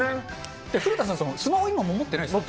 古田さん、スマホ、今も持ってないです？